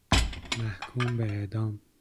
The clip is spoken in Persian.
محکوم به اعدام